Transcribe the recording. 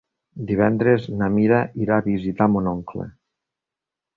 Divendres na Mira irà a visitar mon oncle.